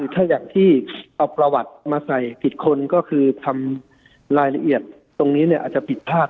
ถ้าอย่างที่เอาประวัติมาใส่ผิดคนก็คือทำรายละเอียดตรงนี้เนี่ยอาจจะผิดพลาด